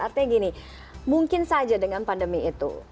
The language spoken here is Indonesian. artinya gini mungkin saja dengan pandemi itu